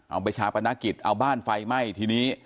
เอาไปชาปนกิจเอาบ้านไฟไหม้ทีนี้